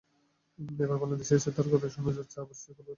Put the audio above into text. এবার বাংলাদেশে এসে তাঁর কথায় শোনা যাচ্ছে আবারও সেই কলকাতার টান।